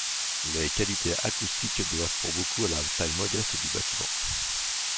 Les qualités acoustiques doivent pour beaucoup à la taille modeste du bâtiment.